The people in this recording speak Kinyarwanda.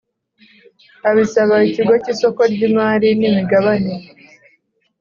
Abisaba ikigo cy isoko ry imari n imigabane